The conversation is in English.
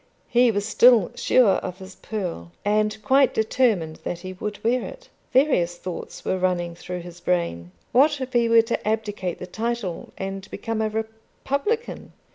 He was still sure of his pearl, and quite determined that he would wear it. Various thoughts were running through his brain. What if he were to abdicate the title and become a republican?